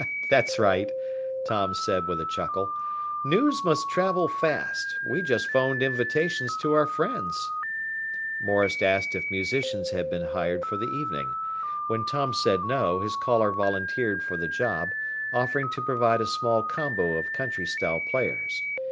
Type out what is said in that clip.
"That's right," Tom said with a chuckle. "News must travel fast. We just phoned invitations to our friends." Morris asked if musicians had been hired for the evening. When Tom said No, his caller volunteered for the job, offering to provide a small combo of country style players.